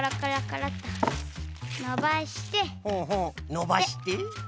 のばして？